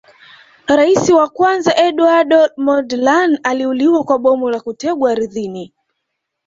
Rais wa kwanza Eduardo Mondlane aliuawa kwa bomu la kutegwa ardhini